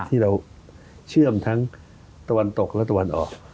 ที่เราเชื่อมทั้งตะวันตกและตะวันออก